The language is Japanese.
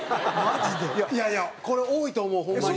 いやいや、これ、多いと思うホンマに。